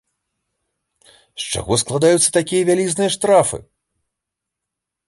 З чаго складаюцца такія вялізныя штрафы?